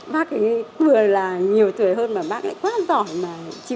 bác ấy vừa là nhiều tuổi hơn mà bác ấy quá giỏi mà